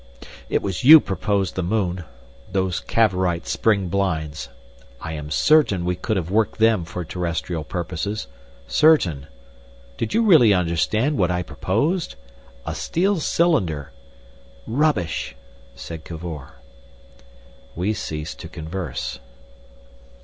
It was you proposed the moon! Those Cavorite spring blinds! I am certain we could have worked them for terrestrial purposes. Certain! Did you really understand what I proposed? A steel cylinder—" "Rubbish!" said Cavor. We ceased to converse.